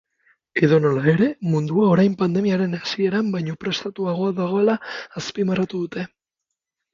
Edonola ere, mundua orain pandemiaren hasieran baino prestatuago dagoela azpimarratu dute.